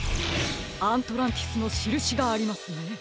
アントランティスのしるしがありますね。